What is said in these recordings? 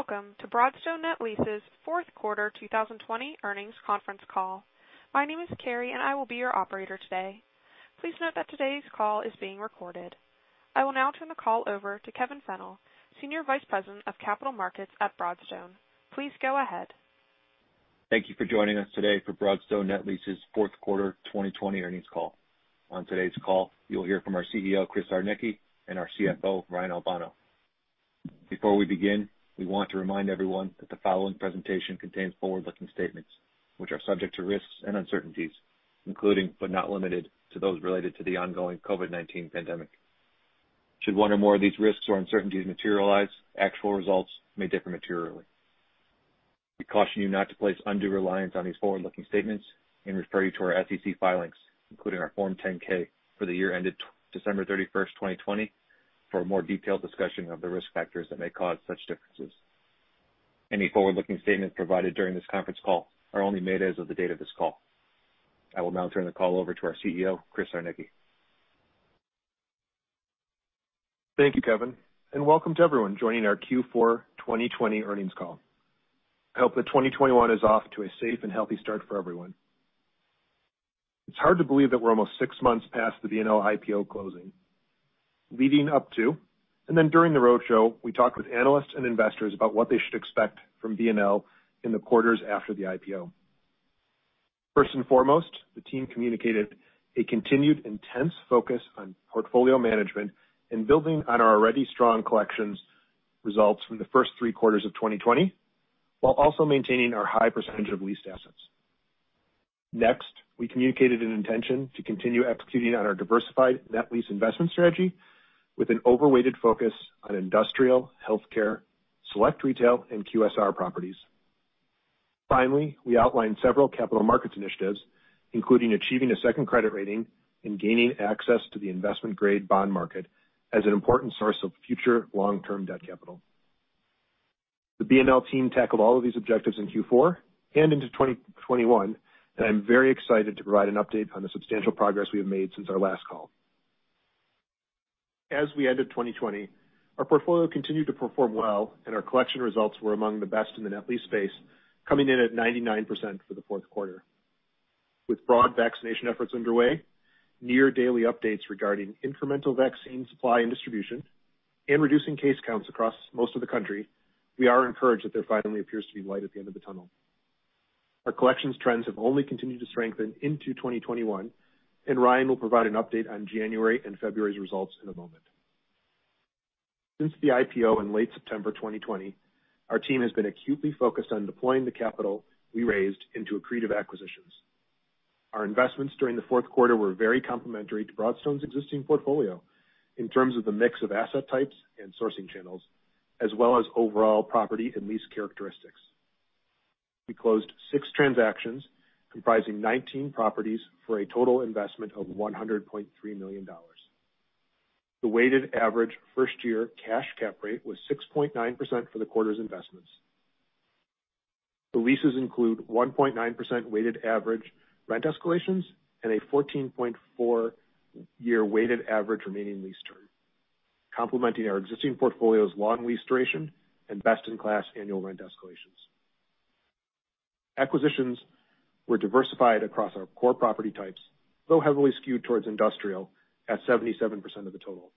Hello, and welcome to Broadstone Net Lease's fourth quarter 2020 earnings conference call. My name is Carrie, and I will be your operator today. Please note that today's call is being recorded. I will now turn the call over to Kevin Fennell, Senior Vice President of Capital Markets at Broadstone. Please go ahead. Thank you for joining us today for Broadstone Net Lease's fourth quarter 2020 earnings call. On today's call, you'll hear from our CEO, Chris Czarnecki, and our CFO, Ryan Albano. Before we begin, we want to remind everyone that the following presentation contains forward-looking statements, which are subject to risks and uncertainties, including, but not limited to, those related to the ongoing COVID-19 pandemic. Should one or more of these risks or uncertainties materialize, actual results may differ materially. We caution you not to place undue reliance on these forward-looking statements and refer you to our SEC filings, including our Form 10-K for the year ended December 31st, 2020, for a more detailed discussion of the risk factors that may cause such differences. Any forward-looking statements provided during this conference call are only made as of the date of this call. I will now turn the call over to our CEO, Chris Czarnecki. Thank you, Kevin, and welcome to everyone joining our Q4 2020 earnings call. I hope that 2021 is off to a safe and healthy start for everyone. It's hard to believe that we're almost six months past the BNL IPO closing. Leading up to, and then during the roadshow, we talked with analysts and investors about what they should expect from BNL in the quarters after the IPO. First and foremost, the team communicated a continued intense focus on portfolio management and building on our already strong collections results from the first three quarters of 2020, while also maintaining our high percentage of leased assets. Next, we communicated an intention to continue executing on our diversified net lease investment strategy with an overweighted focus on industrial, healthcare, select retail, and QSR properties. Finally, we outlined several capital markets initiatives, including achieving a second credit rating and gaining access to the investment-grade bond market as an important source of future long-term debt capital. The BNL team tackled all of these objectives in Q4 and into 2021, and I'm very excited to provide an update on the substantial progress we have made since our last call. As we ended 2020, our portfolio continued to perform well, and our collection results were among the best in the net lease space, coming in at 99% for the fourth quarter. With broad vaccination efforts underway, near-daily updates regarding incremental vaccine supply and distribution, and reducing case counts across most of the country, we are encouraged that there finally appears to be light at the end of the tunnel. Our collections trends have only continued to strengthen into 2021, and Ryan will provide an update on January and February's results in a moment. Since the IPO in late September 2020, our team has been acutely focused on deploying the capital we raised into accretive acquisitions. Our investments during the fourth quarter were very complementary to Broadstone's existing portfolio in terms of the mix of asset types and sourcing channels, as well as overall property and lease characteristics. We closed six transactions comprising 19 properties for a total investment of $100.3 million. The weighted average first-year cash cap rate was 6.9% for the quarter's investments. The leases include 1.9% weighted average rent escalations and a 14.4-year weighted average remaining lease term, complementing our existing portfolio's long lease duration and best-in-class annual rent escalations. Acquisitions were diversified across our core property types, though heavily skewed towards industrial at 77% of the total.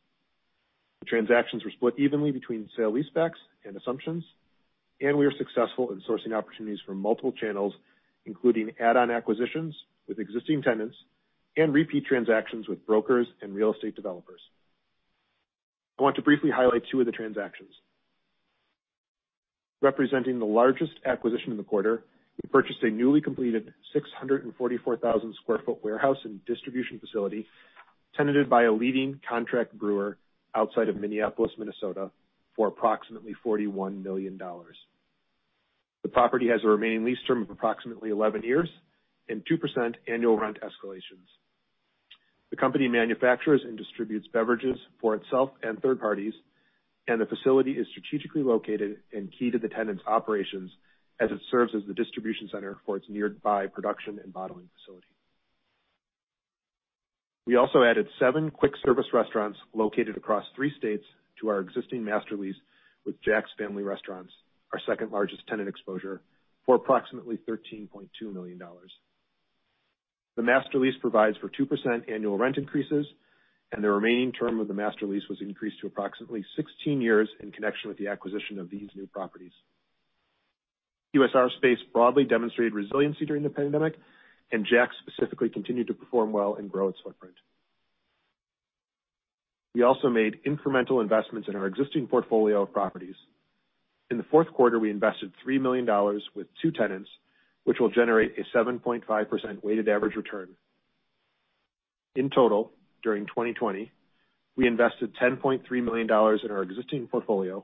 The transactions were split evenly between sale-leasebacks and assumptions, and we are successful in sourcing opportunities from multiple channels, including add-on acquisitions with existing tenants and repeat transactions with brokers and real estate developers. I want to briefly highlight two of the transactions. Representing the largest acquisition in the quarter, we purchased a newly completed 644,000 sq ft warehouse and distribution facility tenanted by a leading contract brewer outside of Minneapolis, Minnesota, for approximately $41 million. The property has a remaining lease term of approximately 11 years and 2% annual rent escalations. The company manufactures and distributes beverages for itself and third parties, and the facility is strategically located and key to the tenant's operations as it serves as the distribution center for its nearby production and bottling facility. We also added seven quick service restaurants located across three states to our existing master lease with Jack's Family Restaurants, our second-largest tenant exposure, for approximately $13.2 million. The master lease provides for 2% annual rent increases. The remaining term of the master lease was increased to approximately 16 years in connection with the acquisition of these new properties. QSR Space broadly demonstrated resiliency during the pandemic. Jack's specifically continued to perform well and grow its footprint. We also made incremental investments in our existing portfolio of properties. In the fourth quarter, we invested $3 million with two tenants, which will generate a 7.5% weighted average return. In total, during 2020, we invested $10.3 million in our existing portfolio,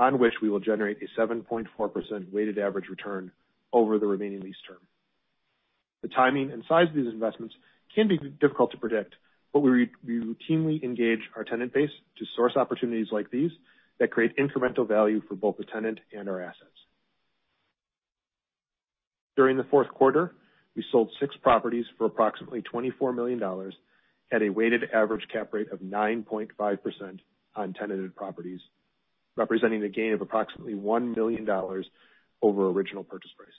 on which we will generate a 7.4% weighted average return over the remaining lease term. The timing and size of these investments can be difficult to predict, but we routinely engage our tenant base to source opportunities like these that create incremental value for both the tenant and our asset. During the fourth quarter, we sold six properties for approximately $24 million at a weighted average cap rate of 9.5% on tenanted properties, representing a gain of approximately $1 million over original purchase price.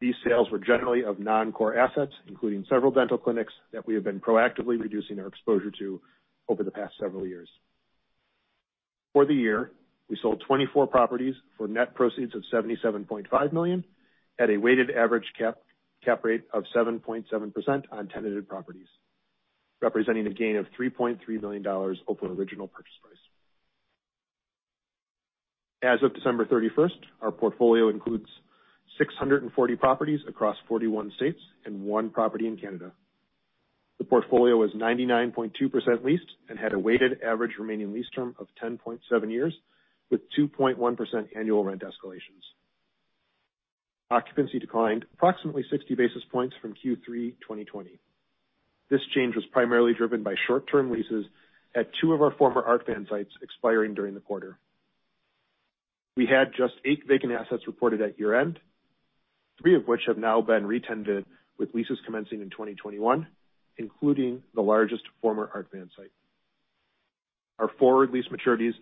These sales were generally of non-core assets, including several dental clinics that we have been proactively reducing our exposure to over the past several years. For the year, we sold 24 properties for net proceeds of $77.5 million at a weighted average cap rate of 7.7% on tenanted properties, representing a gain of $3.3 million over original purchase price. As of December 31st, our portfolio includes 640 properties across 41 states and one property in Canada. The portfolio was 99.2% leased and had a weighted average remaining lease term of 10.7 years, with 2.1% annual rent escalations. Occupancy declined approximately 60 basis points from Q3 2020. This change was primarily driven by short-term leases at two of our former Art Van sites expiring during the quarter. We had just eight vacant assets reported at year-end, three of which have now been re-tenanted with leases commencing in 2021, including the largest former Art Van site. Our forward lease maturities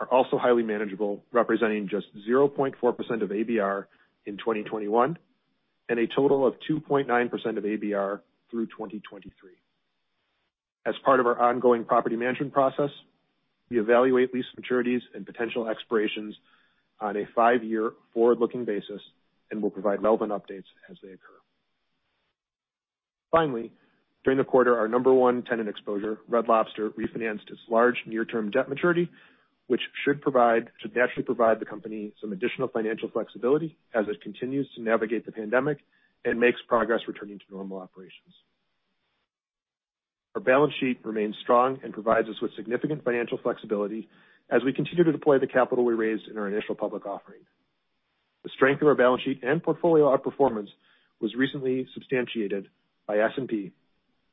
are also highly manageable, representing just 0.4% of ABR in 2021 and a total of 2.9% of ABR through 2023. As part of our ongoing property management process, we evaluate lease maturities and potential expirations on a five-year forward-looking basis, and we'll provide relevant updates as they occur. Finally, during the quarter, our number one tenant exposure, Red Lobster, refinanced its large near-term debt maturity, which should naturally provide the company some additional financial flexibility as it continues to navigate the pandemic and makes progress returning to normal operations. Our balance sheet remains strong and provides us with significant financial flexibility as we continue to deploy the capital we raised in our initial public offering. The strength of our balance sheet and portfolio outperformance was recently substantiated by S&P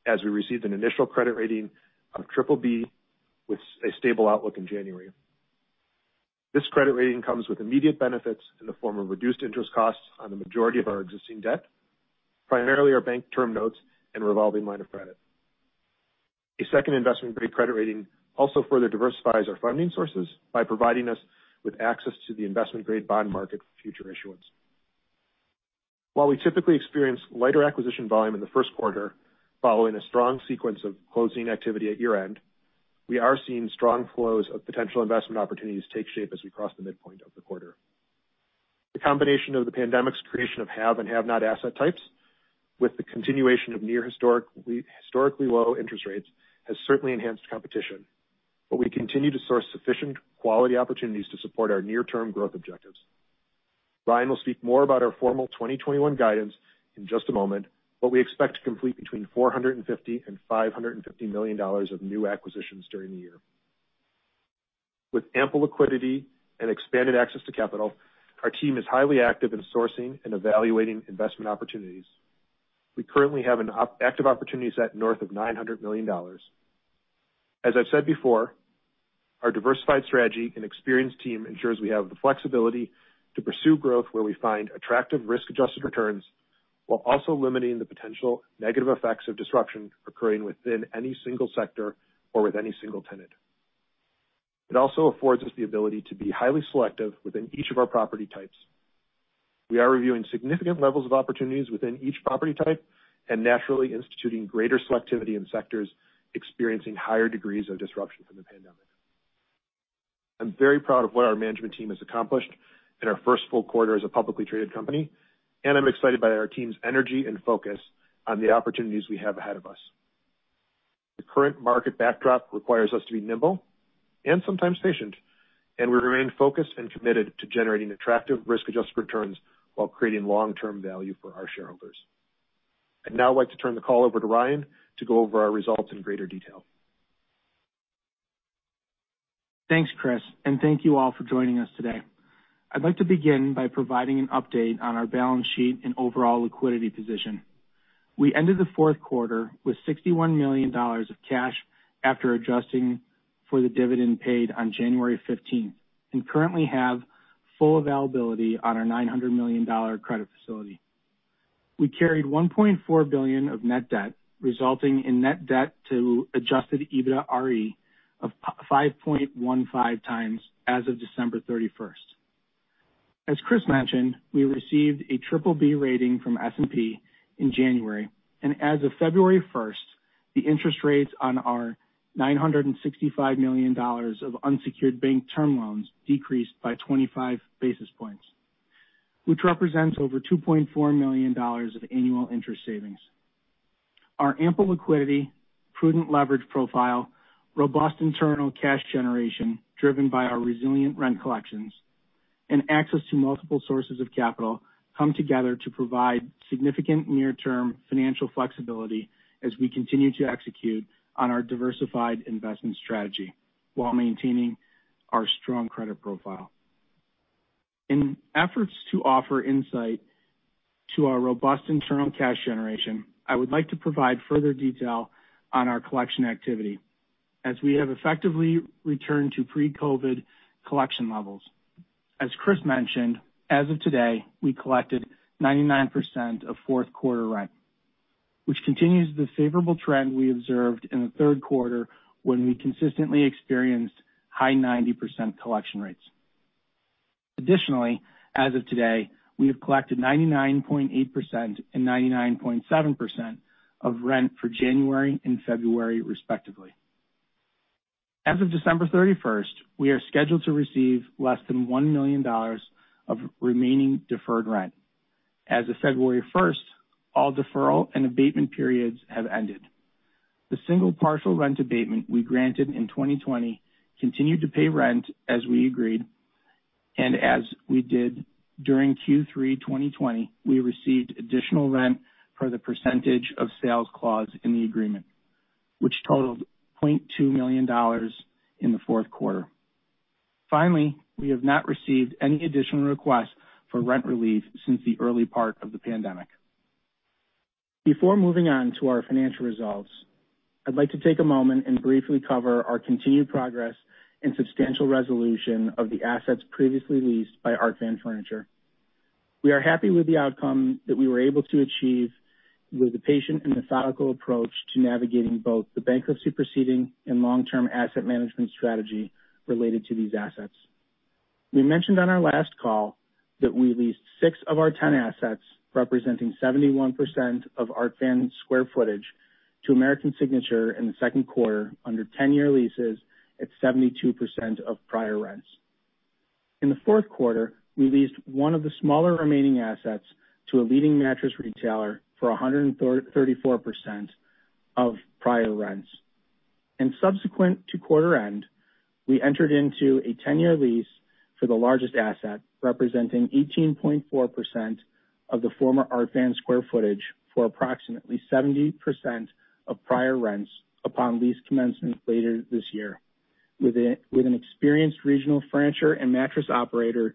as we received an initial credit rating of BBB with a stable outlook in January. This credit rating comes with immediate benefits in the form of reduced interest costs on the majority of our existing debt, primarily our bank term notes and revolving line of credit. A second investment-grade credit rating also further diversifies our funding sources by providing us with access to the investment-grade bond market for future issuance. While we typically experience lighter acquisition volume in the first quarter following a strong sequence of closing activity at year-end, we are seeing strong flows of potential investment opportunities take shape as we cross the midpoint of the quarter. The combination of the pandemic's creation of have and have-not asset types with the continuation of near-historically low interest rates has certainly enhanced competition, but we continue to source sufficient quality opportunities to support our near-term growth objectives. Ryan will speak more about our formal 2021 guidance in just a moment, but we expect to complete between $450 million and $550 million of new acquisitions during the year. With ample liquidity and expanded access to capital, our team is highly active in sourcing and evaluating investment opportunities. We currently have an active opportunity set north of $900 million. As I've said before, our diversified strategy and experienced team ensures we have the flexibility to pursue growth where we find attractive risk-adjusted returns while also limiting the potential negative effects of disruption occurring within any single sector or with any single tenant. It also affords us the ability to be highly selective within each of our property types. We are reviewing significant levels of opportunities within each property type and naturally instituting greater selectivity in sectors experiencing higher degrees of disruption from the pandemic. I'm very proud of what our management team has accomplished in our first full quarter as a publicly traded company, and I'm excited by our team's energy and focus on the opportunities we have ahead of us. The current market backdrop requires us to be nimble and sometimes patient, and we remain focused and committed to generating attractive risk-adjusted returns while creating long-term value for our shareholders. I'd now like to turn the call over to Ryan to go over our results in greater detail. Thanks, Chris. Thank you all for joining us today. I'd like to begin by providing an update on our balance sheet and overall liquidity position. We ended the fourth quarter with $61 million of cash after adjusting for the dividend paid on January 15th, and currently have full availability on our $900 million credit facility. We carried $1.4 billion of net debt, resulting in net debt to adjusted EBITDAre of 5.15 times as of December 31st. As Chris mentioned, we received a BBB rating from S&P in January, and as of February 1st, the interest rates on our $965 million of unsecured bank term loans decreased by 25 basis points, which represents over $2.4 million of annual interest savings. Our ample liquidity, prudent leverage profile, robust internal cash generation driven by our resilient rent collections, and access to multiple sources of capital come together to provide significant near-term financial flexibility as we continue to execute on our diversified investment strategy while maintaining our strong credit profile. In efforts to offer insight to our robust internal cash generation, I would like to provide further detail on our collection activity as we have effectively returned to pre-COVID collection levels. As Chris mentioned, as of today, we collected 99% of fourth quarter rent. Which continues the favorable trend we observed in the third quarter, when we consistently experienced high 90% collection rates. Additionally, as of today, we have collected 99.8% and 99.7% of rent for January and February respectively. As of December 31st, we are scheduled to receive less than $1 million of remaining deferred rent. As of February 1st, all deferral and abatement periods have ended. The single partial rent abatement we granted in 2020 continued to pay rent as we agreed, and as we did during Q3 2020, we received additional rent per the percentage of sales clause in the agreement, which totaled $0.2 million in the fourth quarter. Finally, we have not received any additional requests for rent relief since the early part of the pandemic. Before moving on to our financial results, I'd like to take a moment and briefly cover our continued progress and substantial resolution of the assets previously leased by Art Van Furniture. We are happy with the outcome that we were able to achieve with a patient and methodical approach to navigating both the bankruptcy proceeding and long-term asset management strategy related to these assets. We mentioned on our last call that we leased six of our 10 assets, representing 71% of Art Van's square footage to American Signature in the second quarter under 10-year leases at 72% of prior rents. In the fourth quarter, we leased one of the smaller remaining assets to a leading mattress retailer for 134% of prior rents. Subsequent to quarter end, we entered into a 10-year lease for the largest asset, representing 18.4% of the former Art Van square footage for approximately 70% of prior rents upon lease commencement later this year with an experienced regional furniture and mattress operator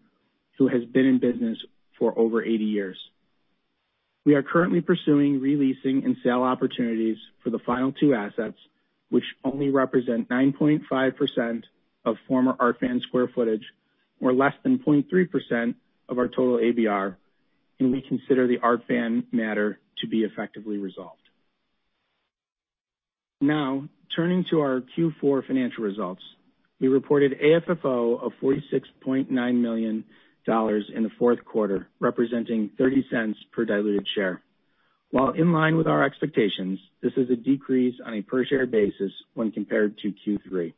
who has been in business for over 80 years. We are currently pursuing re-leasing and sale opportunities for the final two assets, which only represent 9.5% of former Art Van square footage or less than 0.3% of our total ABR, and we consider the Art Van matter to be effectively resolved. Now, turning to our Q4 financial results. We reported AFFO of $46.9 million in the fourth quarter, representing $0.30 per diluted share. While in line with our expectations, this is a decrease on a per-share basis when compared to Q3.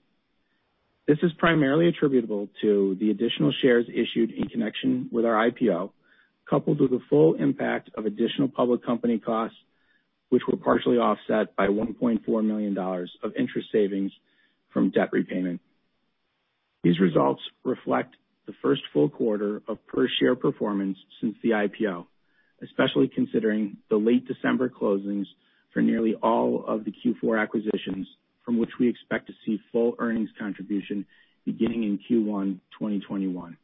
This is primarily attributable to the additional shares issued in connection with our IPO, coupled with the full impact of additional public company costs, which were partially offset by $1.4 million of interest savings from debt repayment. These results reflect the first full quarter of per-share performance since the IPO, especially considering the late December closings for nearly all of the Q4 acquisitions from which we expect to see full earnings contribution beginning in Q1 2021.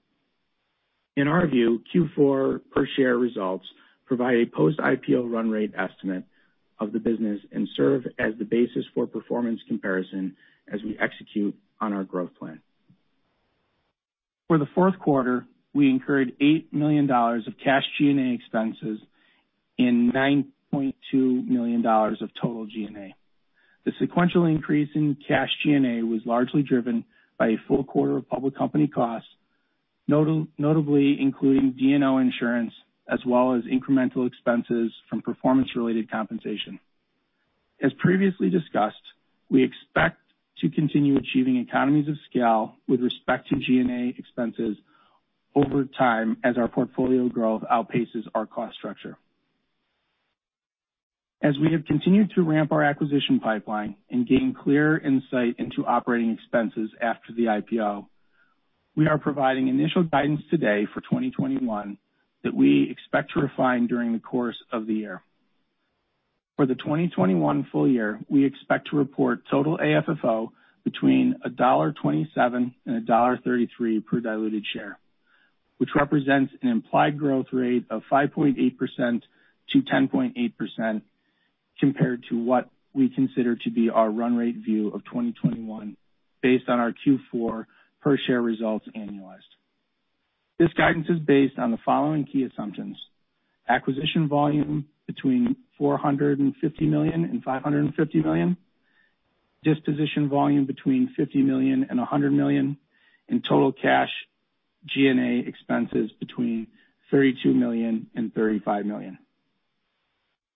In our view, Q4 per-share results provide a post-IPO run rate estimate of the business and serve as the basis for performance comparison as we execute on our growth plan. For the fourth quarter, we incurred $8 million of cash G&A expenses and $9.2 million of total G&A. The sequential increase in cash G&A was largely driven by a full quarter of public company costs, notably including D&O insurance, as well as incremental expenses from performance-related compensation. As previously discussed, we expect to continue achieving economies of scale with respect to G&A expenses over time as our portfolio growth outpaces our cost structure. As we have continued to ramp our acquisition pipeline and gain clearer insight into operating expenses after the IPO, we are providing initial guidance today for 2021 that we expect to refine during the course of the year. For the 2021 full year, we expect to report total AFFO between $1.27 and $1.33 per diluted share, which represents an implied growth rate of 5.8%-10.8% compared to what we consider to be our run rate view of 2021 based on our Q4 per share results annualized. This guidance is based on the following key assumptions. Acquisition volume between $450 million and $550 million, disposition volume between $50 million and $100 million, and total cash G&A expenses between $32 million and $35 million.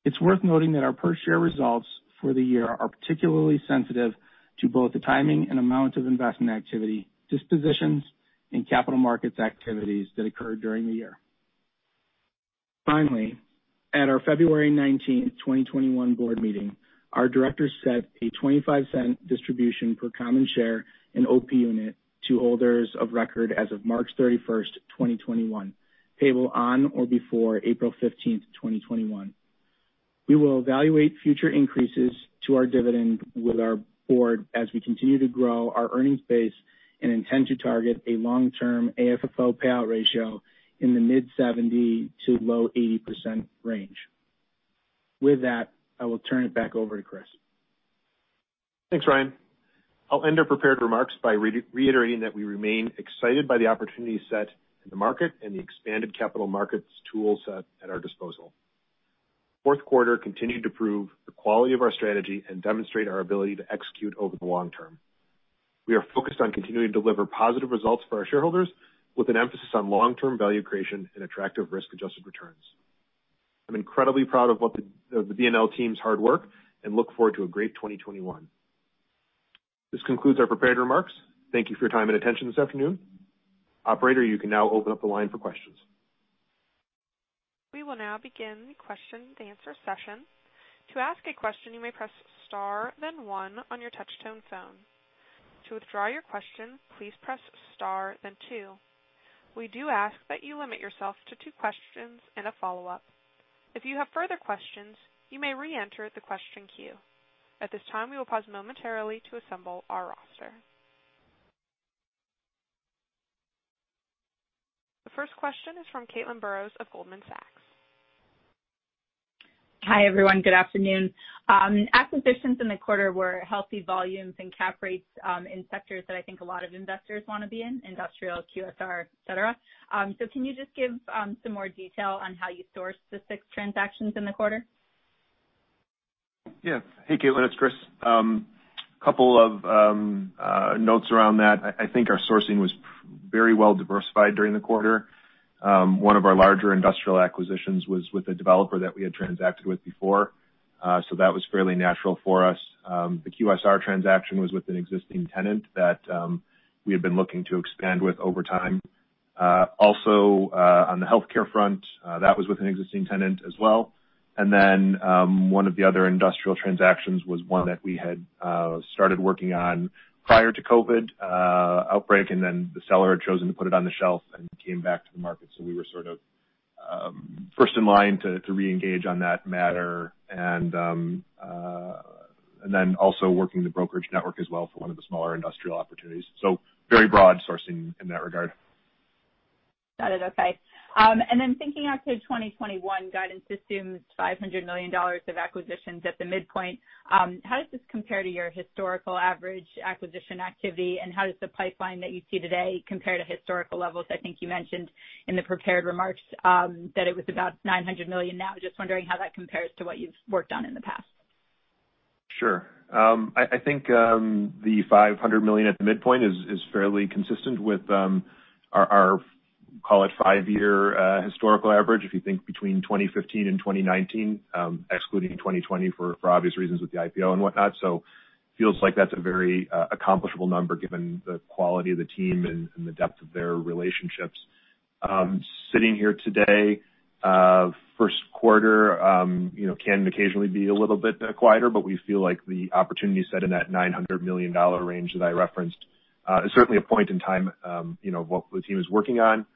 It's worth noting that our per-share results for the year are particularly sensitive to both the timing and amount of investment activity, dispositions, and capital markets activities that occur during the year. Finally, at our February 19th, 2021 board meeting, our directors set a $0.25 distribution per common share and OP unit to holders of record as of March 31st, 2021, payable on or before April 15th, 2021. We will evaluate future increases to our dividend with our board as we continue to grow our earnings base and intend to target a long-term AFFO payout ratio in the mid 70% to low 80% range. With that, I will turn it back over to Chris. Thanks, Ryan. I'll end our prepared remarks by reiterating that we remain excited by the opportunity set in the market and the expanded capital markets tool set at our disposal. Fourth quarter continued to prove the quality of our strategy and demonstrate our ability to execute over the long term. We are focused on continuing to deliver positive results for our shareholders with an emphasis on long-term value creation and attractive risk-adjusted returns. I'm incredibly proud of the BNL team's hard work and look forward to a great 2021. This concludes our prepared remarks. Thank you for your time and attention this afternoon. Operator, you can now open up the line for questions. The first question is from Caitlin Burrows of Goldman Sachs. Hi, everyone. Good afternoon. Acquisitions in the quarter were healthy volumes and cap rates in sectors that I think a lot of investors want to be in, industrial, QSR, et cetera. Can you just give some more detail on how you sourced the six transactions in the quarter? Yeah. Hey, Caitlin, it's Chris. A couple of notes around that. I think our sourcing was very well diversified during the quarter. One of our larger industrial acquisitions was with a developer that we had transacted with before. That was fairly natural for us. The QSR transaction was with an existing tenant that we had been looking to expand with over time. Also, on the healthcare front, that was with an existing tenant as well. One of the other industrial transactions was one that we had started working on prior to COVID outbreak, and then the seller had chosen to put it on the shelf and came back to the market. We were sort of first in line to reengage on that matter and then also working the brokerage network as well for one of the smaller industrial opportunities. Very broad sourcing in that regard. Got it, okay. Thinking out to 2021 guidance assumes $500 million of acquisitions at the midpoint. How does this compare to your historical average acquisition activity, how does the pipeline that you see today compare to historical levels? I think you mentioned in the prepared remarks that it was about $900 million now. Just wondering how that compares to what you've worked on in the past. Sure. I think the $500 million at the midpoint is fairly consistent with our, call it five-year historical average. If you think between 2015 and 2019, excluding 2020 for obvious reasons with the IPO and whatnot. Feels like that's a very accomplishable number given the quality of the team and the depth of their relationships. Sitting here today, first quarter can occasionally be a little bit quieter, but we feel like the opportunity set in that $900 million range that I referenced is certainly a point in time, what the team is working on.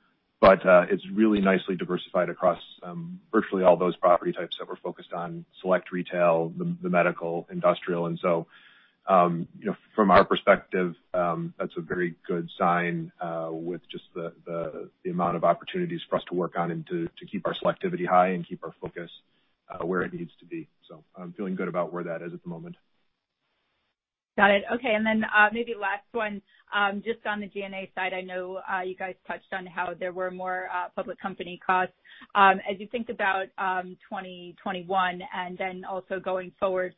It's really nicely diversified across virtually all those property types that we're focused on, select retail, the medical, industrial. From our perspective, that's a very good sign with just the amount of opportunities for us to work on and to keep our selectivity high and keep our focus where it needs to be. I'm feeling good about where that is at the moment. Got it. Okay, maybe last one. Just on the G&A side, I know you guys touched on how there were more public company costs. As you think about 2021 and then also going forward,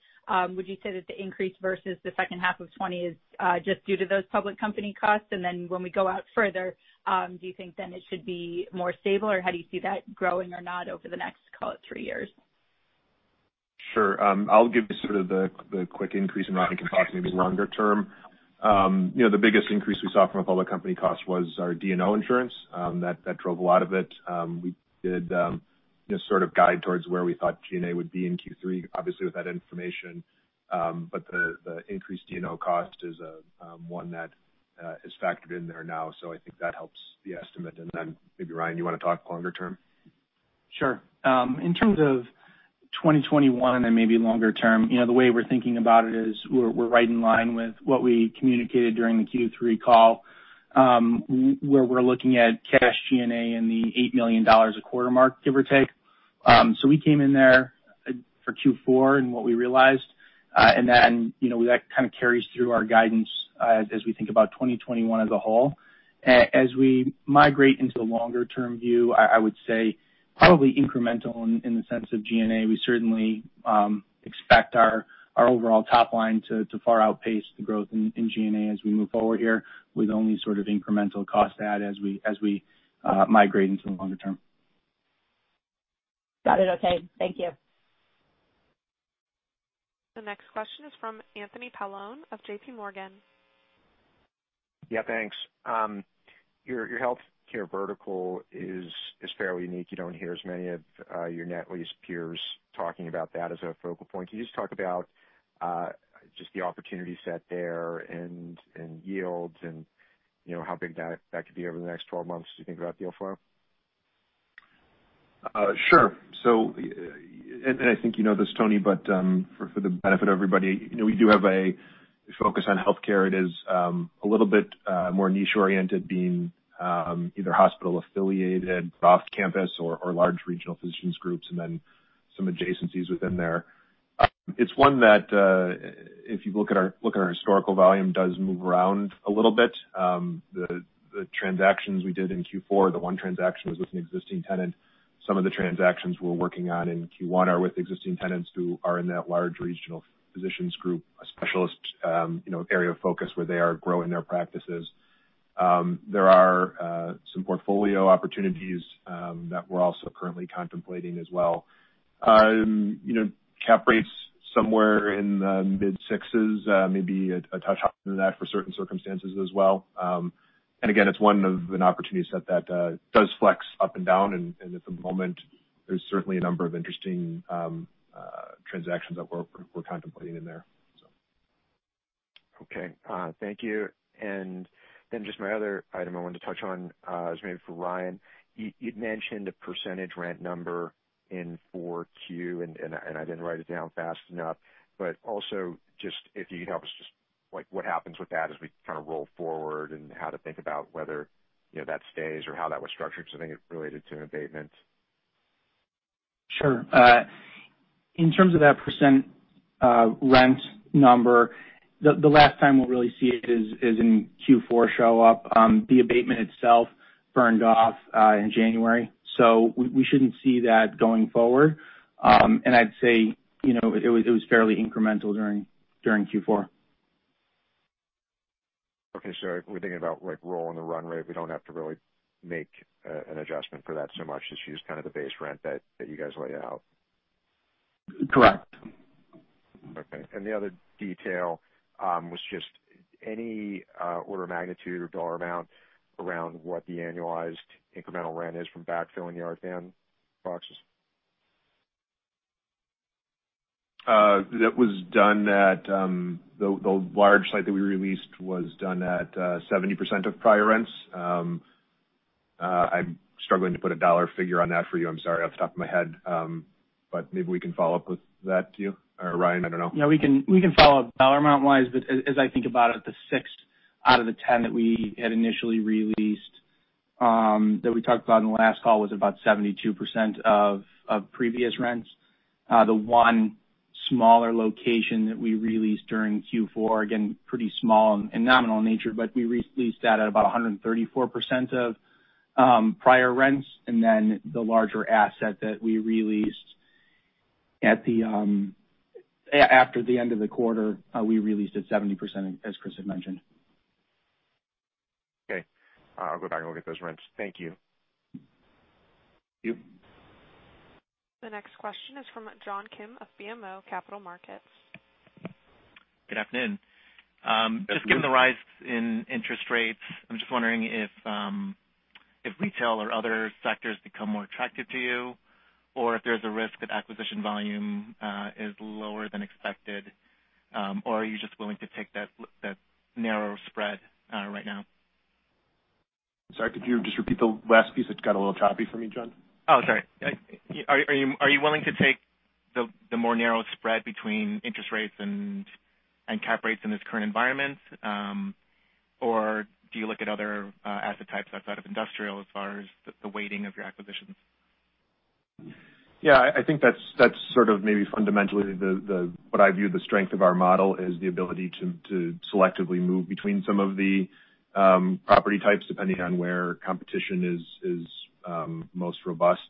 would you say that the increase versus the second half of 2020 is just due to those public company costs? When we go out further, do you think then it should be more stable, or how do you see that growing or not over the next, call it three years? Sure. I'll give sort of the quick increase and Ryan can talk maybe longer term. The biggest increase we saw from a public company cost was our D&O insurance. That drove a lot of it. We did sort of guide towards where we thought G&A would be in Q3, obviously, with that information. The increased D&O cost is one that is factored in there now. I think that helps the estimate. Maybe, Ryan, you want to talk longer term? Sure. In terms of 2021 and maybe longer term, the way we're thinking about it is we're right in line with what we communicated during the Q3 call, where we're looking at cash G&A in the $8 million a quarter mark, give or take. We came in there for Q4 and what we realized, that kind of carries through our guidance as we think about 2021 as a whole. As we migrate into the longer-term view, I would say probably incremental in the sense of G&A. We certainly expect our overall top line to far outpace the growth in G&A as we move forward here with only sort of incremental cost add as we migrate into the longer term. Got it. Okay. Thank you. The next question is from Anthony Paolone of JPMorgan. Yeah, thanks. Your healthcare vertical is fairly unique. You don't hear as many of your net lease peers talking about that as a focal point. Can you just talk about the opportunity set there and yields and how big that could be over the next 12 months as you think about deal flow? Sure. I think you know this, Tony, but for the benefit of everybody, we do focus on healthcare. It is a little bit more niche-oriented, being either hospital-affiliated, off-campus, or large regional physicians' groups, and then some adjacencies within there. It's one that, if you look at our historical volume, does move around a little bit. The transactions we did in Q4, the one transaction was with an existing tenant. Some of the transactions we're working on in Q1 are with existing tenants who are in that large regional physicians' group, a specialist area of focus where they are growing their practices. There are some portfolio opportunities that we're also currently contemplating as well. Cap rates somewhere in the mid-sixes, maybe a touch higher than that for certain circumstances as well. Again, it's one of an opportunity set that does flex up and down, and at the moment, there's certainly a number of interesting transactions that we're contemplating in there. Okay. Thank you. Just my other item I wanted to touch on is maybe for Ryan. You'd mentioned a percentage rent number in Q4, and I didn't write it down fast enough. Just if you could help us, just what happens with that as we roll forward and how to think about whether that stays or how that was structured, something related to an abatement. Sure. In terms of that percent rent number, the last time we'll really see it is in Q4 show up. The abatement itself burned off in January. We shouldn't see that going forward. I'd say it was fairly incremental during Q4. Okay. If we're thinking about rolling the run rate, we don't have to really make an adjustment for that so much. Just use kind of the base rent that you guys lay out. Correct. Okay. The other detail was just any order of magnitude or dollar amount around what the annualized incremental rent is from backfilling the Art Van boxes. The large site that we re-leased was done at 70% of prior rents. I'm struggling to put a dollar figure on that for you, I'm sorry, off the top of my head. Maybe we can follow up with that to you or Ryan. I don't know. Yeah, we can follow up dollar amount-wise. As I think about it, the six out of the 10 that we had initially released, that we talked about in the last call was about 72% of previous rents. The one smaller location that we released during Q4, again, pretty small and nominal in nature, we released that at about 134% of prior rents. The larger asset that we released after the end of the quarter, we released at 70%, as Chris had mentioned. Okay. I'll go back and look at those rents. Thank you. Thank you. The next question is from John Kim of BMO Capital Markets. Good afternoon. Good afternoon. Just given the rise in interest rates, I'm just wondering if retail or other sectors become more attractive to you, or if there's a risk that acquisition volume is lower than expected, or are you just willing to take that narrow spread right now? Sorry, could you just repeat the last piece? It got a little choppy for me, John. Oh, sorry. Are you willing to take the more narrow spread between interest rates and cap rates in this current environment? Do you look at other asset types outside of industrial as far as the weighting of your acquisitions? Yeah, I think that's sort of maybe fundamentally what I view the strength of our model is the ability to selectively move between some of the property types depending on where competition is most robust.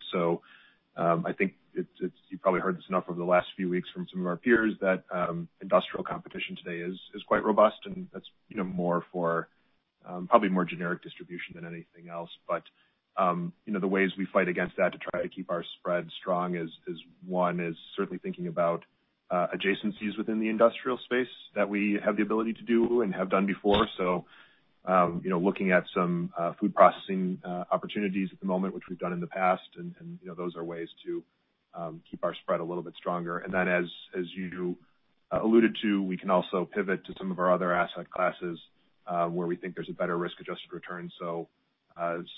I think you probably heard this enough over the last few weeks from some of our peers that industrial competition today is quite robust, and that's probably more generic distribution than anything else. The ways we fight against that to try to keep our spread strong is, one is certainly thinking about adjacencies within the industrial space that we have the ability to do and have done before. Looking at some food processing opportunities at the moment, which we've done in the past, and those are ways to keep our spread a little bit stronger. As you alluded to, we can also pivot to some of our other asset classes where we think there's a better risk-adjusted return.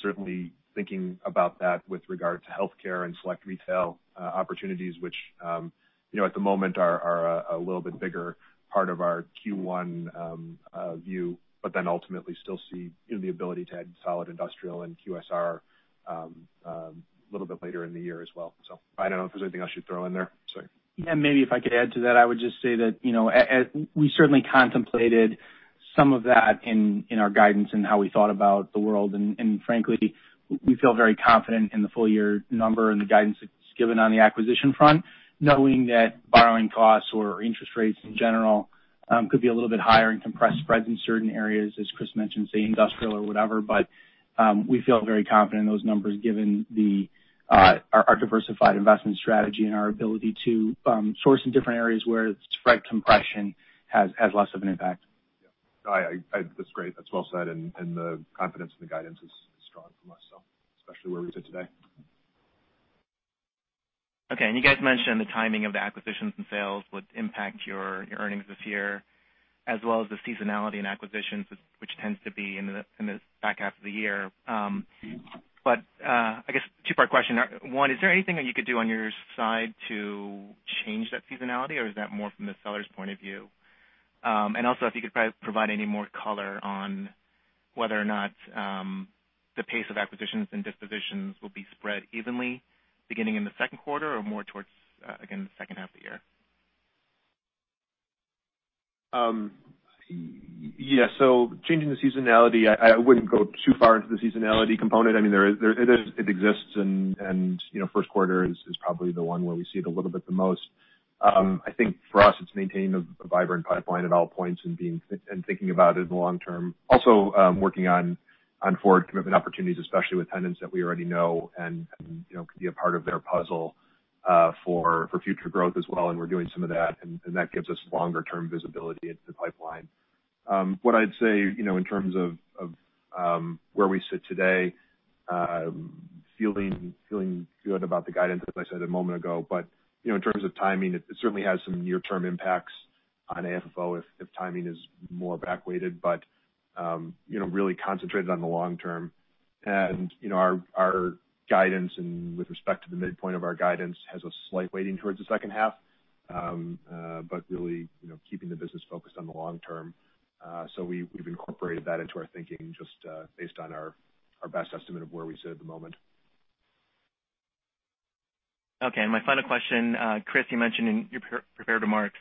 Certainly thinking about that with regard to healthcare and select retail opportunities, which at the moment are a little bit bigger part of our Q1 view, but then ultimately still see the ability to add solid industrial and QSR a little bit later in the year as well. I don't know if there's anything else you'd throw in there, sorry. Yeah, maybe if I could add to that. I would just say that we certainly contemplated some of that in our guidance and how we thought about the world. Frankly, we feel very confident in the full-year number and the guidance that's given on the acquisition front, knowing that borrowing costs or interest rates in general could be a little bit higher and compress spreads in certain areas, as Chris mentioned, say industrial or whatever. We feel very confident in those numbers given our diversified investment strategy and our ability to source in different areas where spread compression has less of an impact. Yeah. That's great. That's well said, and the confidence in the guidance is strong from us, so especially where we sit today. Okay. You guys mentioned the timing of the acquisitions and sales would impact your earnings this year, as well as the seasonality in acquisitions, which tends to be in the back half of the year. I guess two-part question. One, is there anything that you could do on your side to change that seasonality or is that more from the seller's point of view? Also, if you could provide any more color on whether or not the pace of acquisitions and dispositions will be spread evenly beginning in the second quarter or more towards, again, the second half of the year. Yeah. Changing the seasonality, I wouldn't go too far into the seasonality component. It exists, and first quarter is probably the one where we see it a little bit the most. I think for us, it's maintaining a vibrant pipeline at all points and thinking about it in the long term. Also, working on forward commitment opportunities, especially with tenants that we already know and can be a part of their puzzle for future growth as well, and we're doing some of that, and that gives us longer-term visibility into the pipeline. What I'd say, in terms of where we sit today, feeling good about the guidance, as I said a moment ago, but in terms of timing, it certainly has some near-term impacts on AFFO if timing is more back-weighted. Really concentrated on the long term. Our guidance and with respect to the midpoint of our guidance, has a slight weighting towards the second half. Really keeping the business focused on the long term. We've incorporated that into our thinking just based on our best estimate of where we sit at the moment. Okay. My final question, Chris, you mentioned in your prepared remarks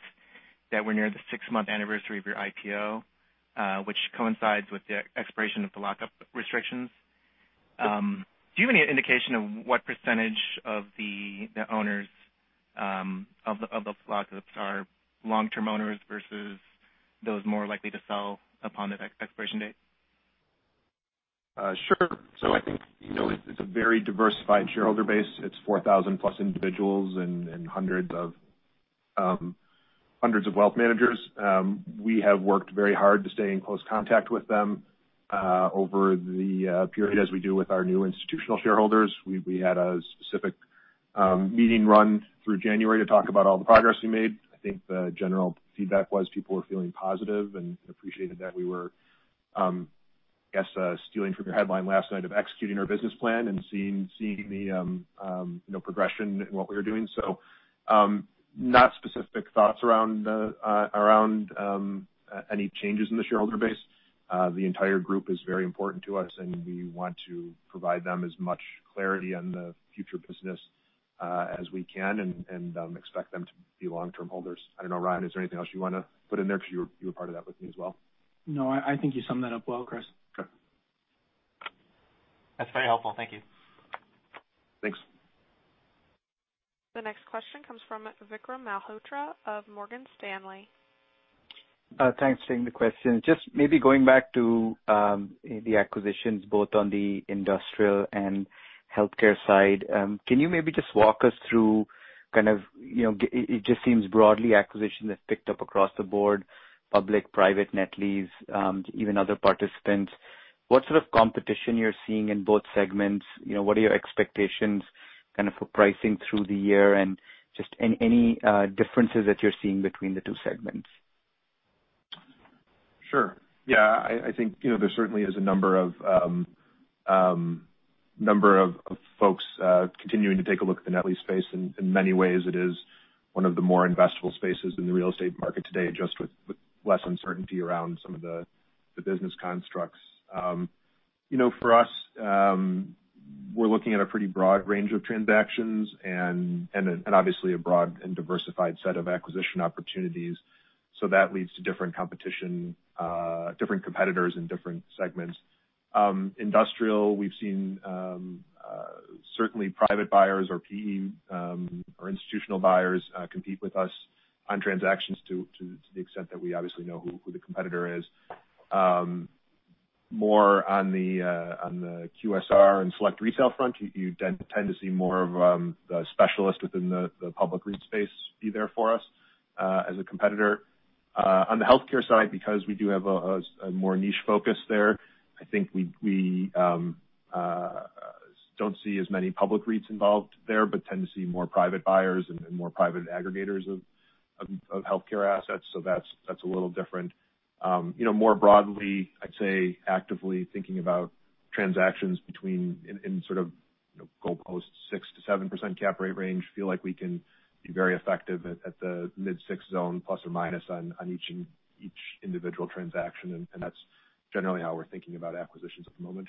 that we're near the six-month anniversary of your IPO, which coincides with the expiration of the lockup restrictions. Do you have any indication of what percentage of the owners of those lockups are long-term owners versus those more likely to sell upon the expiration date? Sure. I think it's a very diversified shareholder base. It's 4,000-plus individuals and hundreds of wealth managers. We have worked very hard to stay in close contact with them over the period as we do with our new institutional shareholders. We had a specific meeting run through January to talk about all the progress we made. I think the general feedback was people were feeling positive and appreciated that we were, I guess, stealing from your headline last night of executing our business plan and seeing the progression in what we were doing. Not specific thoughts around any changes in the shareholder base. The entire group is very important to us, and we want to provide them as much clarity on the future business as we can and expect them to be long-term holders. I don't know, Ryan, is there anything else you want to put in there because you were part of that with me as well? No, I think you summed that up well, Chris. Okay. That's very helpful. Thank you. Thanks. The next question comes from Vikram Malhotra of Morgan Stanley. Thanks. Same with questions. Maybe going back to the acquisitions, both on the industrial and healthcare side. Can you maybe just walk us through? It seems broadly acquisition has picked up across the board, public, private, net lease, even other participants. What sort of competition you're seeing in both segments? What are your expectations for pricing through the year and any differences that you're seeing between the two segments? Sure. Yeah. I think there certainly is a number of folks continuing to take a look at the net lease space. In many ways, it is one of the more investable spaces in the real estate market today, just with less uncertainty around some of the business constructs. For us, we're looking at a pretty broad range of transactions and obviously a broad and diversified set of acquisition opportunities. That leads to different competition, different competitors in different segments. Industrial, we've seen certainly private buyers or PE, or institutional buyers compete with us on transactions to the extent that we obviously know who the competitor is. More on the QSR and select retail front, you tend to see more of the specialists within the public REIT space be there for us as a competitor. On the healthcare side, because we do have a more niche focus there, I think we don't see as many public REITs involved there, but tend to see more private buyers and more private aggregators of healthcare assets. That's a little different. More broadly, I'd say actively thinking about transactions in goalpost 6%-7% cap rate range feel like we can be very effective at the mid-six zone, plus or minus on each individual transaction, and that's generally how we're thinking about acquisitions at the moment.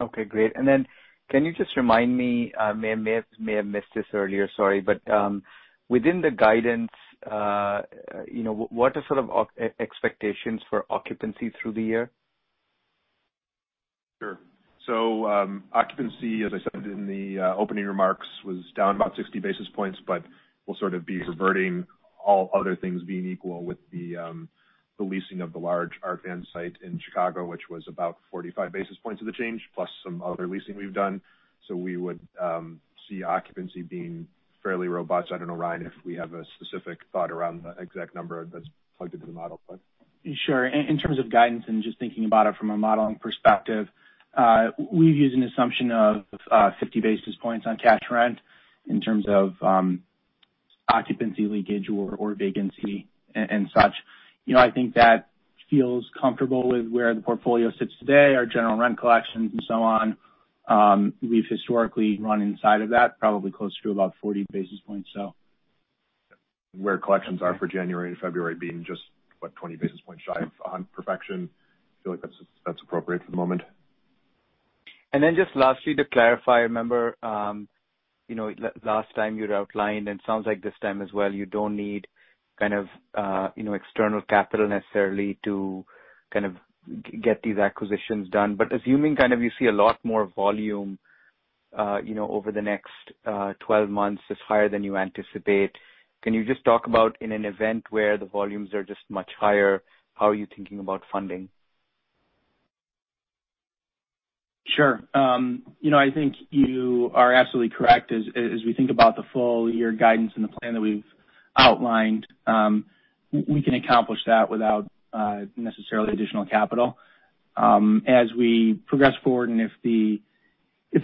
Okay. Great. Can you just remind me, I may have missed this earlier, sorry, but within the guidance, what are sort of expectations for occupancy through the year? Sure. Occupancy, as I said in the opening remarks, was down about 60 basis points, but we'll sort of be reverting all other things being equal with the leasing of the large Art Van site in Chicago, which was about 45 basis points of the change, plus some other leasing we've done. We would see occupancy being fairly robust. I don't know, Ryan, if we have a specific thought around the exact number that's plugged into the model, but Sure. In terms of guidance and just thinking about it from a modeling perspective, we've used an assumption of 50 basis points on cash rent in terms of occupancy leakage or vacancy and such. Feels comfortable with where the portfolio sits today, our general rent collections and so on. We've historically run inside of that, probably closer to about 40 basis points. Where collections are for January and February being just, what? 20 basis points shy of on perfection. I feel like that's appropriate for the moment. Just lastly, to clarify, I remember, last time you'd outlined, and sounds like this time as well, you don't need external capital necessarily to get these acquisitions done. Assuming you see a lot more volume over the next 12 months as higher than you anticipate, can you just talk about in an event where the volumes are just much higher, how are you thinking about funding? Sure. I think you are absolutely correct. As we think about the full-year guidance and the plan that we've outlined, we can accomplish that without necessarily additional capital. As we progress forward, and if the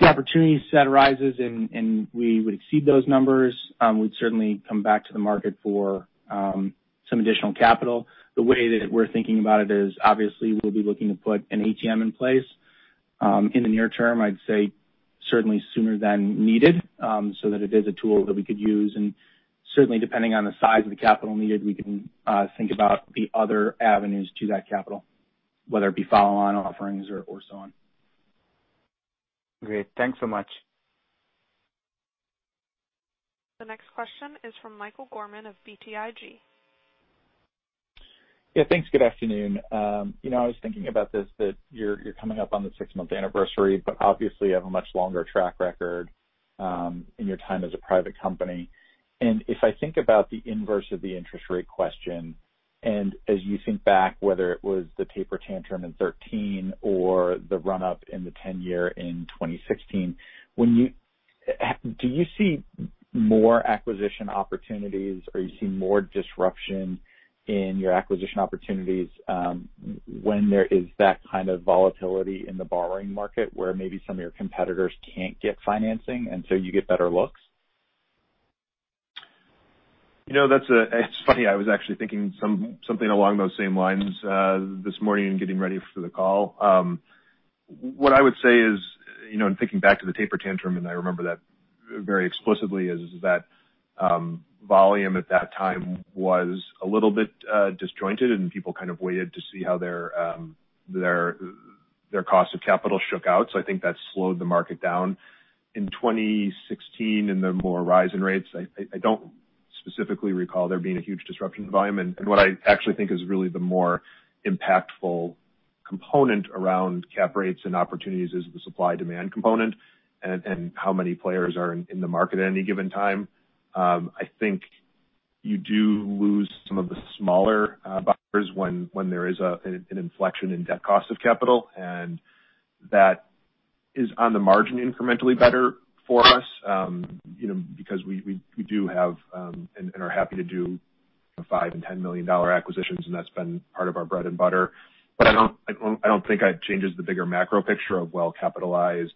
opportunity set rises and we would exceed those numbers, we'd certainly come back to the market for some additional capital. The way that we're thinking about it is obviously we'll be looking to put an ATM in place. In the near term, I'd say certainly sooner than needed, so that it is a tool that we could use, and certainly depending on the size of the capital needed, we can think about the other avenues to that capital, whether it be follow-on offerings or so on. Great. Thanks so much. The next question is from Michael Gorman of BTIG. Yeah. Thanks. Good afternoon. I was thinking about this, that you're coming up on the six-month anniversary, but obviously you have a much longer track record in your time as a private company. If I think about the inverse of the interest rate question, as you think back, whether it was the taper tantrum in 2013 or the run-up in the 10-year in 2016. Do you see more acquisition opportunities, or you see more disruption in your acquisition opportunities when there is that kind of volatility in the borrowing market where maybe some of your competitors can't get financing, and so you get better looks? It's funny, I was actually thinking something along those same lines this morning getting ready for the call. What I would say is, in thinking back to the taper tantrum, and I remember that very explicitly, is that volume at that time was a little bit disjointed and people kind of waited to see how their cost of capital shook out. I think that slowed the market down. In 2016 and the more rise in rates, I don't specifically recall there being a huge disruption in volume. What I actually think is really the more impactful component around cap rates and opportunities is the supply-demand component and how many players are in the market at any given time. I think you do lose some of the smaller buyers when there is an inflection in debt cost of capital. That is on the margin incrementally better for us, because we do have, and are happy to do, $5 and $10 million acquisitions, and that's been part of our bread and butter. I don't think that changes the bigger macro picture of well-capitalized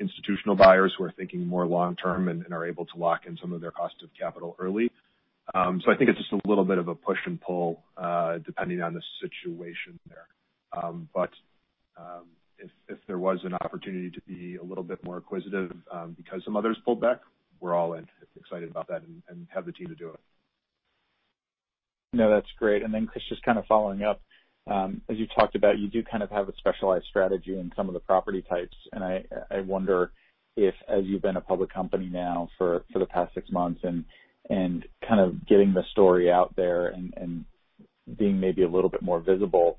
institutional buyers who are thinking more long-term and are able to lock in some of their cost of capital early. I think it's just a little bit of a push and pull, depending on the situation there. If there was an opportunity to be a little bit more acquisitive because some others pulled back, we're all in, excited about that, and have the team to do it. No, that's great. Chris, just kind of following up. As you talked about, you do kind of have a specialized strategy in some of the property types, and I wonder if, as you've been a public company now for the past six months and kind of getting the story out there and being maybe a little bit more visible,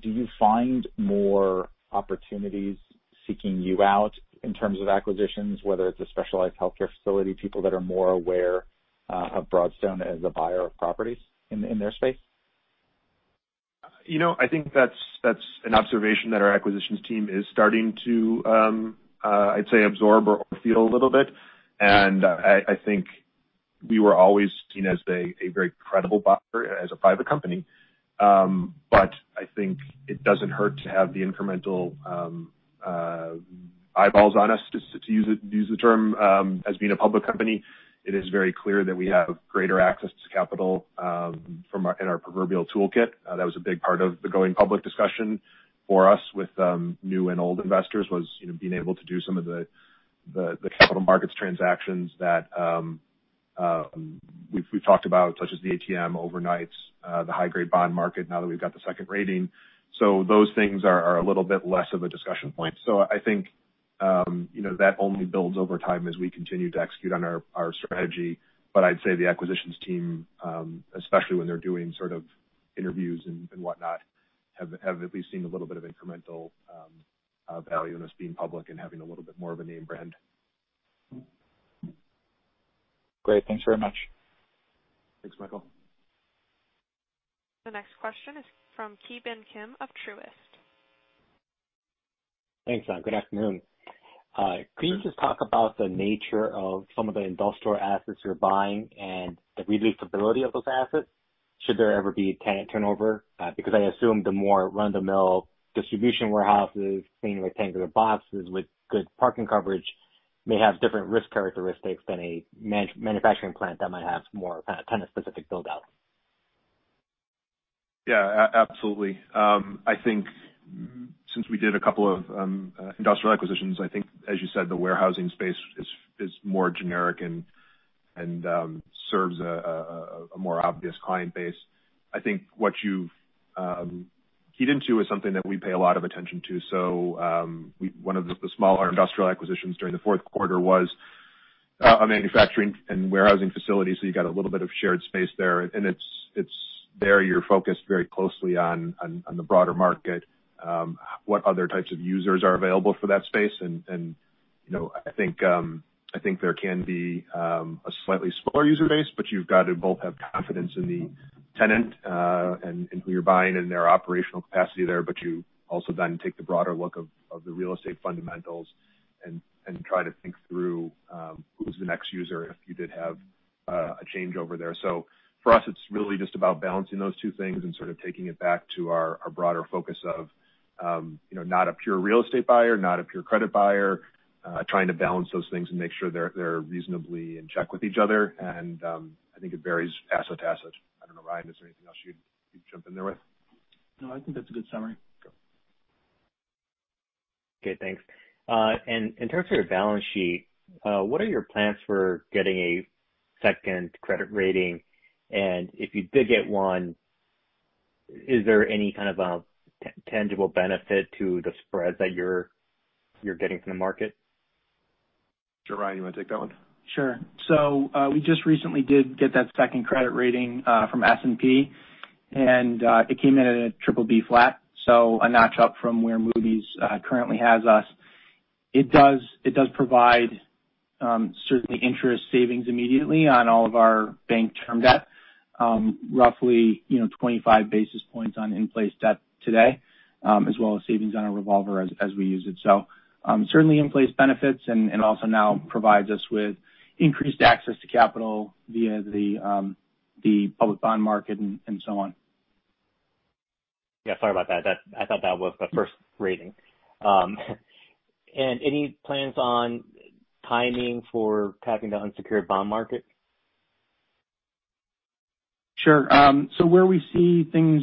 do you find more opportunities seeking you out in terms of acquisitions, whether it's a specialized healthcare facility, people that are more aware of Broadstone as a buyer of properties in their space? I think that's an observation that our acquisitions team is starting to, I'd say absorb or feel a little bit. I think we were always seen as a very credible buyer as a private company. I think it doesn't hurt to have the incremental eyeballs on us, to use the term, as being a public company. It is very clear that we have greater access to capital in our proverbial toolkit. That was a big part of the going public discussion for us with new and old investors, was being able to do some of the capital markets transactions that we've talked about, such as the ATM overnights, the high-grade bond market now that we've got the second rating. Those things are a little bit less of a discussion point. I think that only builds over time as we continue to execute on our strategy. I'd say the acquisitions team, especially when they're doing sort of interviews and whatnot, have at least seen a little bit of incremental value in us being public and having a little bit more of a name brand. Great. Thanks very much. Thanks, Michael. The next question is from Ki Bin Kim of Truist. Thanks. Good afternoon. Could you just talk about the nature of some of the industrial assets you're buying and the reusability of those assets should there ever be tenant turnover? I assume the more run-of-the-mill distribution warehouses, plain rectangular boxes with good parking coverage may have different risk characteristics than a manufacturing plant that might have more kind of tenant-specific build-out. Yeah, absolutely. I think since we did a couple of industrial acquisitions, I think as you said, the warehousing space is more generic and serves a more obvious client base. I think what you've keyed into is something that we pay a lot of attention to. One of the smaller industrial acquisitions during the fourth quarter was a manufacturing and warehousing facility. You got a little bit of shared space there, and it's there you're focused very closely on the broader market, what other types of users are available for that space. I think there can be a slightly smaller user base, but you've got to both have confidence in the tenant, and who you're buying and their operational capacity there. You also then take the broader look of the real estate fundamentals and try to think through, who's the next user if you did have a changeover there. For us, it's really just about balancing those two things and sort of taking it back to our broader focus of, not a pure real estate buyer, not a pure credit buyer, trying to balance those things and make sure they're reasonably in check with each other and, I think it varies asset to asset. I don't know, Ryan, is there anything else you'd jump in there with? No, I think that's a good summary. Okay. Okay, thanks. In terms of your balance sheet, what are your plans for getting a second credit rating? If you did get one, is there any kind of a tangible benefit to the spread that you're getting from the market? Sure. Ryan, you want to take that one? Sure. We just recently did get that second credit rating from S&P, and it came in at a BBB flat, a notch up from where Moody's currently has us. It does provide, certainly interest savings immediately on all of our bank term debt. Roughly 25 basis points on in-place debt today, as well as savings on our revolver as we use it. Certainly in-place benefits and also now provides us with increased access to capital via the public bond market and so on. Yeah, sorry about that. I thought that was the first rating. Any plans on timing for tapping the unsecured bond market? Sure. Where we see things,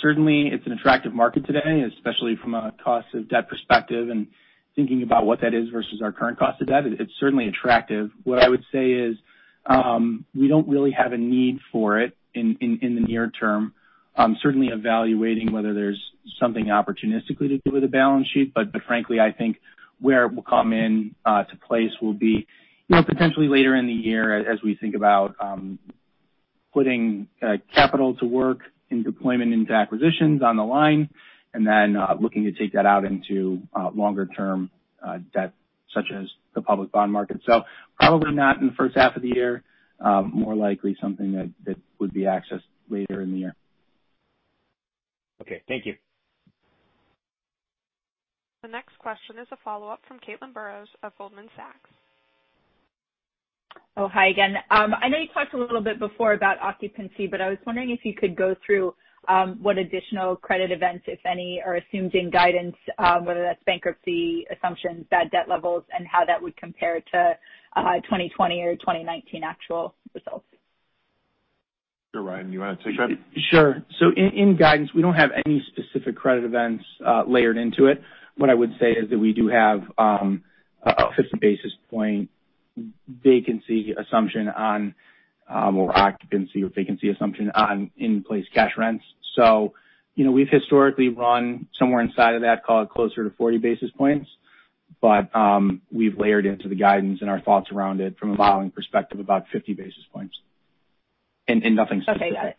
certainly it's an attractive market today, especially from a cost of debt perspective and thinking about what that is versus our current cost of debt. It's certainly attractive. What I would say is, we don't really have a need for it in the near term. Certainly evaluating whether there's something opportunistically to do with the balance sheet. Frankly, I think where it will come in to place will be potentially later in the year as we think about putting capital to work in deployment into acquisitions on the line and then looking to take that out into longer term debt such as the public bond market. Probably not in the first half of the year. More likely something that would be accessed later in the year. Okay. Thank you. The next question is a follow-up from Caitlin Burrows of Goldman Sachs. Oh, hi again. I know you talked a little bit before about occupancy, I was wondering if you could go through what additional credit events, if any, are assumed in guidance, whether that's bankruptcy assumptions, bad debt levels, and how that would compare to 2020 or 2019 actual results? Sure. Ryan, you want to take that? Sure. In guidance, we don't have any specific credit events layered into it. What I would say is that we do have a 50 basis point occupancy or vacancy assumption on in-place cash rents. We've historically run somewhere inside of that, call it closer to 40 basis points. We've layered into the guidance and our thoughts around it from a modeling perspective, about 50 basis points and nothing specific. Okay.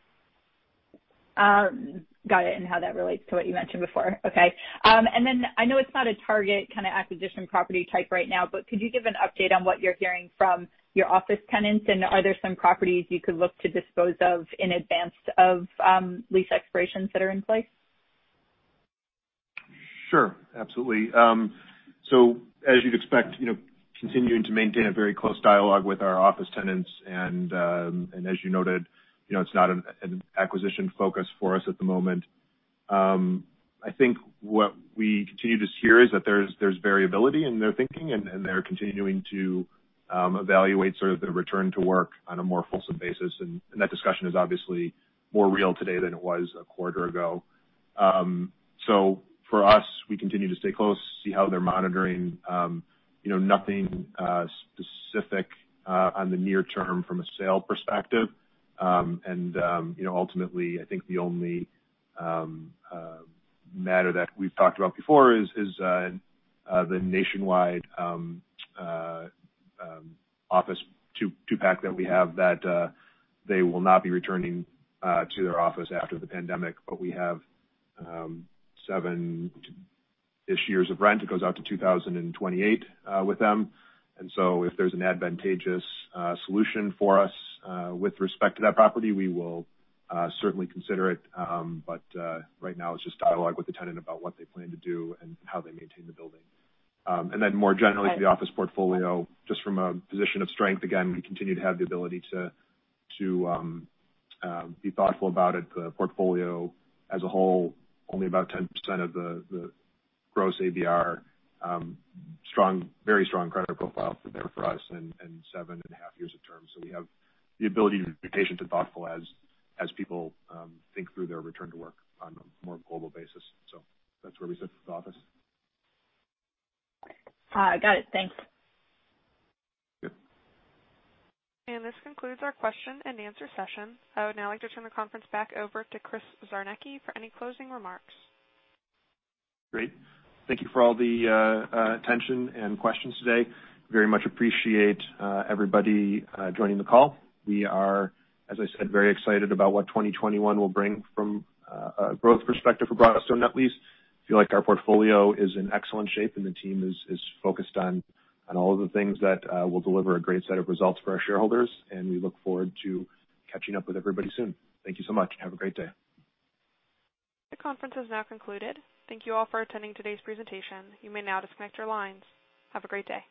Got it. Got it. How that relates to what you mentioned before. Okay. I know it's not a target kind of acquisition property type right now, but could you give an update on what you're hearing from your office tenants? Are there some properties you could look to dispose of in advance of lease expirations that are in place? Absolutely. As you'd expect, continuing to maintain a very close dialogue with our office tenants and as you noted, it's not an acquisition focus for us at the moment. I think what we continue to hear is that there's variability in their thinking, and they're continuing to evaluate sort of the return to work on a more fulsome basis. That discussion is obviously more real today than it was a quarter ago. For us, we continue to stay close, see how they're monitoring. Nothing specific on the near term from a sale perspective. Ultimately, I think the only matter that we've talked about before is the Nationwide office two-pack that we have that they will not be returning to their office after the pandemic. We have seven-ish years of rent. It goes out to 2028 with them. If there's an advantageous solution for us with respect to that property, we will certainly consider it. Right now, it's just dialogue with the tenant about what they plan to do and how they maintain the building. More generally for the office portfolio, just from a position of strength, again, we continue to have the ability to be thoughtful about it. The portfolio as a whole, only about 10% of the gross ABR, very strong credit profile for us and 7.5 years of terms. We have the ability to be patient and thoughtful as people think through their return to work on a more global basis. That's where we sit for the office. Got it. Thanks. Yep. This concludes our question-and-answer session. I would now like to turn the conference back over to Chris Czarnecki for any closing remarks. Great. Thank you for all the attention and questions today. Very much appreciate everybody joining the call. We are, as I said, very excited about what 2021 will bring from a growth perspective for Broadstone Net Lease. Feel like our portfolio is in excellent shape and the team is focused on all of the things that will deliver a great set of results for our shareholders, and we look forward to catching up with everybody soon. Thank you so much and have a great day. The conference is now concluded. Thank you all for attending today's presentation. You may now disconnect your lines. Have a great day.